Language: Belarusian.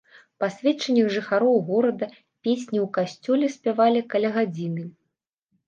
Па сведчаннях жыхароў горада, песні ў касцёле спявалі каля гадзіны.